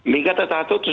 liga tiga teratur